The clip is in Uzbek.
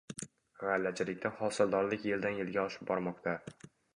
g`allachilikda hosildorlik yildan yilga oshib bormoqda